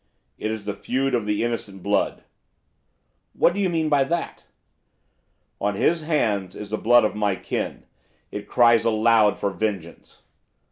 'It is the feud of the innocent blood.' 'What do you mean by that?' 'On his hands is the blood of my kin. It cries aloud for vengeance.